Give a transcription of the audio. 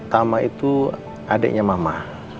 tama itu adiknya mama